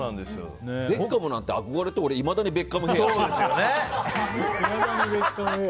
ベッカムなんて、俺憧れてていまだに俺ベッカムヘアしてるから。